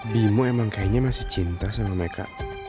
bimo emang kayaknya masih cinta sama mereka